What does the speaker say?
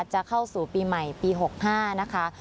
จะเข้าสู่ปีใหม่ปี๖๕นะคะ